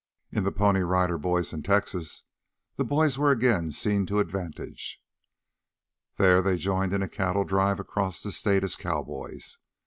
In "THE PONY RIDER BOYS IN TEXAS," the boys were again seen to advantage. There they joined in a cattle drive across the state as cowboys.